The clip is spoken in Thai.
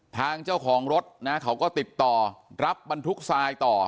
ทางเจ้าของรถนะเขาก็ติดต่อรับบรรทุกทรายต่อ